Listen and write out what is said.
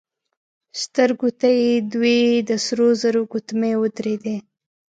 سترګو ته يې دوې د سرو زرو ګوتمۍ ودرېدې.